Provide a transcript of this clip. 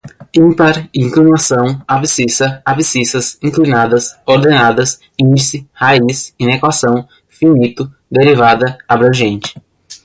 ímpar, inclinação, abscissa, abscissas, inclinada, ordenadas, índice, raiz, inequação, finito, derivada, abrangente